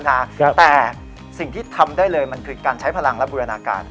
แต่สิ่งที่ทำได้เลยมันคือการใช้พลังและบูรณาการ